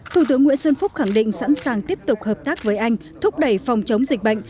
thủ tướng nguyễn xuân phúc khẳng định sẵn sàng tiếp tục hợp tác với anh thúc đẩy phòng chống dịch bệnh